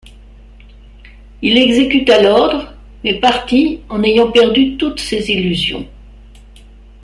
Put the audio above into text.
Il exécuta l'ordre, mais partit en ayant perdu toutes ses illusions.